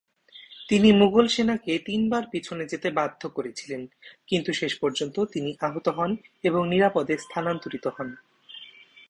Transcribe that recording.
তিনি মুগল সেনাকে তিনবার পিছনে যেতে বাধ্য করেছিলেন কিন্তু শেষ পর্যন্ত তিনি আহত হন এবং নিরাপদে স্থানান্তরিত হন।